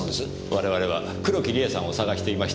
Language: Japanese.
我々は黒木梨絵さんを捜していました。